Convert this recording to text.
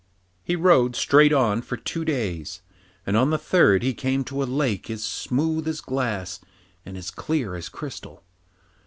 He rode straight on for two days, and on the third he came to a lake as smooth as glass and as clear as crystal.